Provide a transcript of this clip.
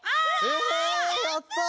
えやった！